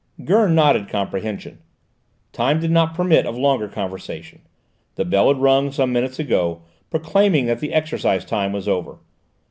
Gurn nodded comprehension. Time did not permit of longer conversation. The bell had rung some minutes ago, proclaiming that the exercise time was over.